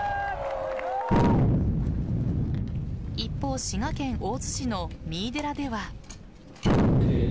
一方滋賀県大津市の三井寺では。